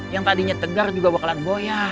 yang tadinya tegar juga bakalan goyang